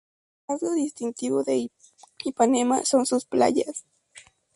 El rasgo distintivo de Ipanema son sus playas.